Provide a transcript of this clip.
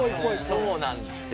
そうなんですよ。